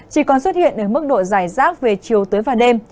chỉ còn xuất hiện ở mức độ dài rác về chiều tối và đêm